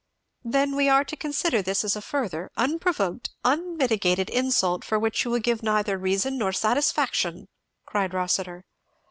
"Then we are to consider this as a further, unprovoked, unmitigated insult for which you will give neither reason nor satisfaction!" cried Rossitur.